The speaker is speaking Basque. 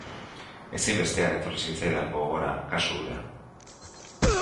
Ezinbestean etorri zitzaidan gogora kasu hura.